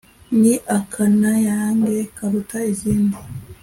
ni akanayange karuta izindi